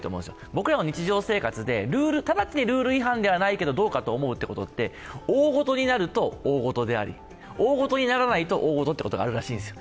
僕らも日常生活で直ちにルール違反ではないけどどうかと思うことって、大ごとになると大ごとであり、大ごとにならないと大ごとということがあるらしいんです。